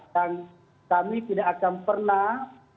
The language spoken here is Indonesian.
dan kami tidak akan pernah